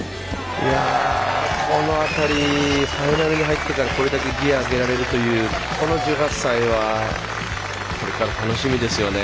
この辺りファイナルに入ってからこれだけギヤを上げられるというこの１８歳はこれから楽しみですよね。